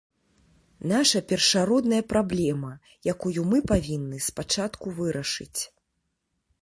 Наша першародная праблема, якую мы павінны спачатку вырашыць.